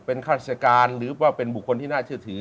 เป็นฮาศการหรือเป็นบุคคลที่น่าเชื่อถือ